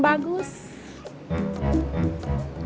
yang ini udah kecium